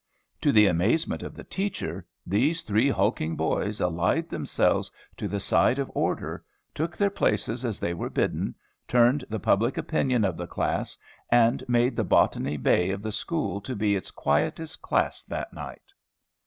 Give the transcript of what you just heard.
To the amazement of the teacher, these three hulking boys allied themselves to the side of order, took their places as they were bidden, turned the public opinion of the class, and made the Botany Bay of the school to be its quietest class that night.